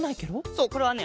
そうこれはね